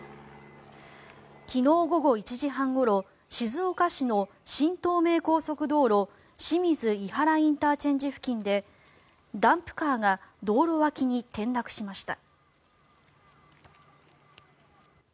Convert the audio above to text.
昨日午後１時半ごろ静岡市の新東名高速道路清水いはらＩＣ付近でダンプカーが道路脇に転落しました。